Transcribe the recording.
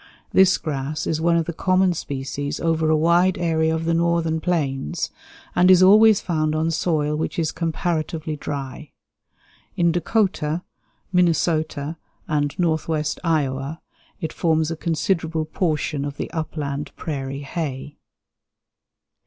This grass is one of the common species over a wide area of the northern plains, and is always found on soil which is comparatively dry. In Dakota, Minnesota, and northwest Iowa it forms a considerable portion of the upland prairie hay.